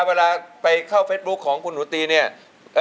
เวลาไปเข้าเฟซบุ๊คของคุณหนูตีเนี่ย